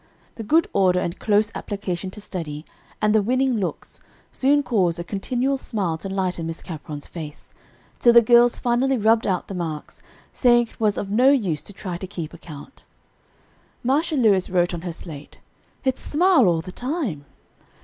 The good order and close application to study, and the winning looks, soon caused a continual smile to lighten Miss Capron's face, till the girls finally rubbed out the marks, saying it was of no use to try to keep account. Marcia Lewis wrote on her slate, "It's smile all the time."